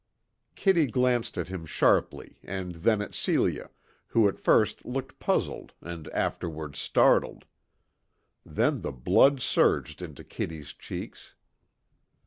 Kitty glanced at him sharply and then at Celia, who at first looked puzzled and afterwards startled. Then the blood surged into Kitty's cheeks.